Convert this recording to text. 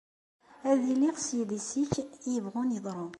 Ad iliɣ s idis-ik i yebɣun yeḍru.